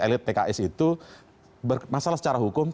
elit pks itu bermasalah secara hukum